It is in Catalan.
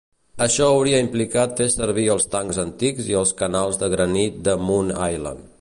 Això hauria implicat fer servir els tancs antics i els canals de granit de Moon Island.